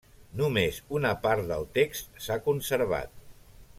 Només una part del text s'ha conservat.